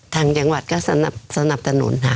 ทางจังหวัดก็สนับถนน